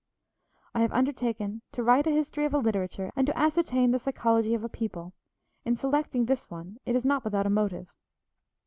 I have undertaken to write a history of a literature and to ascertain the psychology of a people; in selecting this one, it is not without a motive.